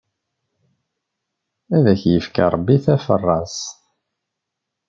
Ad ak-ifk, Ṛebbi taferrast!